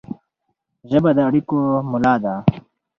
ژبه د اړیکو ملا ده